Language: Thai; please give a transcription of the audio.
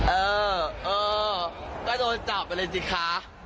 เออก็โดนจับเลยสิคะ